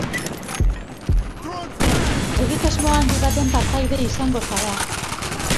Egitasmoa handi baten partaide izango zara.